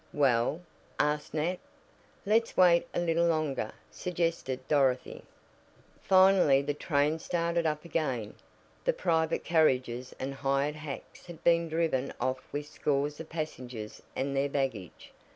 "Well?" asked Nat. "Let's wait a little longer," suggested Dorothy. Finally the train started up again, the private carriages and hired hacks had been driven off with scores of passengers and their baggage.